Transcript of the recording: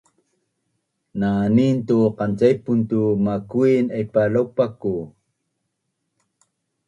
na ni tu qancepun tu makuin naip laupaku?